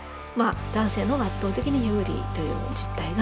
男性のほうが圧倒的に有利という実態があります。